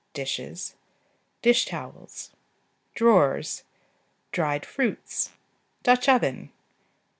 Dishes. Dish towels. Drawers. Dried fruits. Dutch oven.